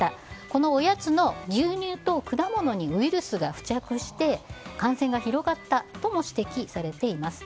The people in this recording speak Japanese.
このおやつの牛乳と果物にウイルスが付着して感染が広がったとも指摘されています。